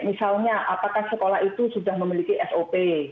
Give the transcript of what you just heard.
misalnya apakah sekolah itu sudah memiliki sop